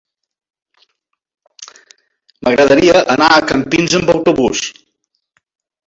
M'agradaria anar a Campins amb autobús.